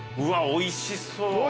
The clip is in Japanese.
おいしそう！